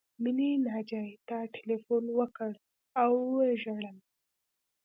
مینې ناجیې ته ټیلیفون وکړ او وژړل